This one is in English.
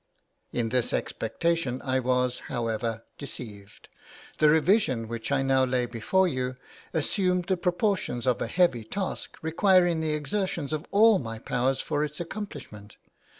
In this expectation I was, however, deceived; the revision, which I now lay before you, assumed the proportions of a heavy task, requiring the exertions of all my powers for its accomplishment.